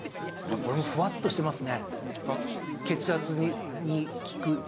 これもふわっとしてますね。